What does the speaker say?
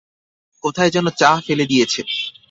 কোথায় যেন চা ফেলে দিয়েছে।